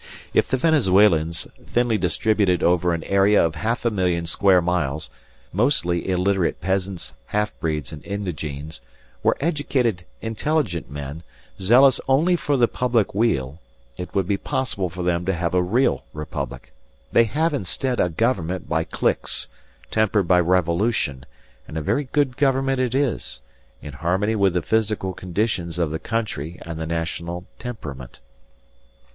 If the Venezuelans, thinly distributed over an area of half a million square miles, mostly illiterate peasants, half breeds, and indigenes, were educated, intelligent men, zealous only for the public weal, it would be possible for them to have a real republic. They have instead a government by cliques, tempered by revolution; and a very good government it is, in harmony with the physical conditions of the country and the national temperament.